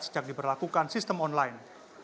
sejak diberlakukan sistem online